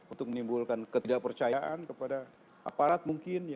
untuk menimbulkan ketidakpercayaan kepada aparat mungkin